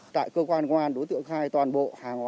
tại cơ quan ngoan đối tượng khai toàn bộ